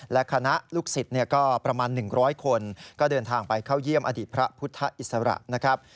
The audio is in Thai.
และคณะลูกศิษย์ก็ประมาณ๑๐๐คนก็เดินทางไปเข้าเยี่ยมอดีตพระพุทธอิสระนะครับ